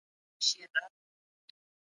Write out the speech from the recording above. زکات د اسلام ستنه ده.